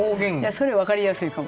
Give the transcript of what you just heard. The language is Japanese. それ分かりやすいかも。